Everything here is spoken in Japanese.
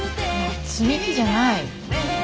積み木じゃない。